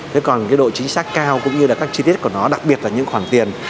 thế còn độ chính xác cao cũng như là các chi tiết của nó đặc biệt là những khoản tiền